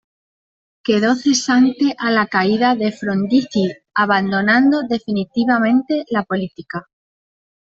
Quedó cesante a la caída de Frondizi, abandonando definitivamente la política.